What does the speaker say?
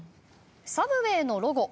サブウェイのロゴ